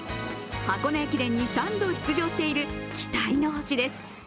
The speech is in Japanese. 箱根駅伝に３度出場している期待の星です。